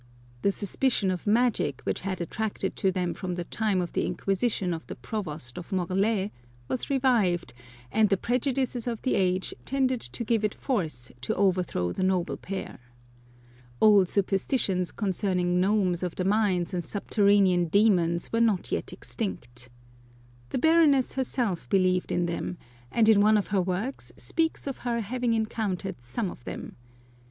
The suspicion of magic, which had attached to them from the time of the inquisition of the provost of Morlaix, was revived, and the prejudices of the age tended to give it force to overthrow the noble pair. Old superstitions concerning gnomes of the mines and subterranean demons were not yet extinct The Baroness herself believed in them, and in one of her works speaks of her having encountered some of them.